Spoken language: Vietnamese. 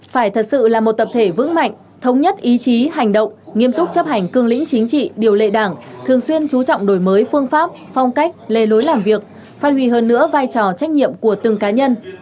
phải thật sự là một tập thể vững mạnh thống nhất ý chí hành động nghiêm túc chấp hành cương lĩnh chính trị điều lệ đảng thường xuyên chú trọng đổi mới phương pháp phong cách lề lối làm việc phát huy hơn nữa vai trò trách nhiệm của từng cá nhân